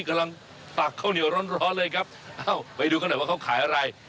กำลังตักข้าวเหนียวร้อนร้อนเลยครับเอ้าไปดูกันหน่อยว่าเขาขายอะไร